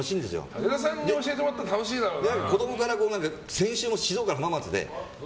武田さんに教えてもらったら楽しいだろうな。